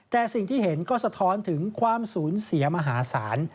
แต่สิ่งที่เห็นก็สะท้อนถึงความสูญเสียมหาศาล